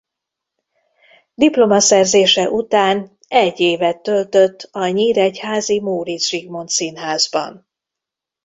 Diplomaszerzése után egy évet töltött a nyíregyházi Móricz Zsigmond Színházban.